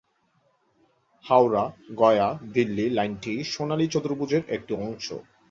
হাওড়া-গয়া-দিল্লি লাইনটি সোনালী চতুর্ভুজের একটি অংশ।